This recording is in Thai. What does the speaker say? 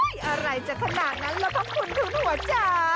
อุ๊ยอะไรจะขนาดนั้นแล้วพระคุณคุณหัวจ๊ะ